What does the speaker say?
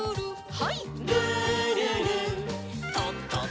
はい。